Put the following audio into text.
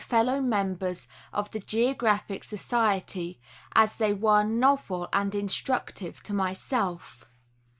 fellow members of the Geographic Society as they were novel and instructive to myself.